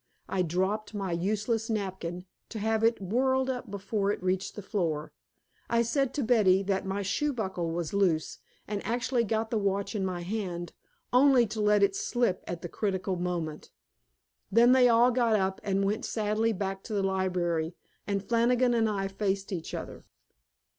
I dropped my useless napkin, to have it whirled up before it reached the floor. I said to Betty that my shoe buckle was loose, and actually got the watch in my hand, only to let it slip at the critical moment. Then they all got up and went sadly back to the library, and Flannigan and I faced each other.